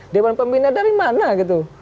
dewan pembina dari mana gitu